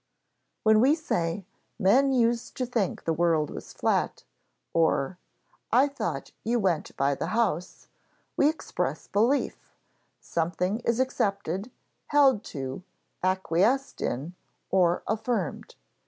When we say, "Men used to think the world was flat," or, "I thought you went by the house," we express belief: something is accepted, held to, acquiesced in, or affirmed.